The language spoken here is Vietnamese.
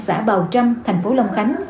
xã bào trâm thành phố long khánh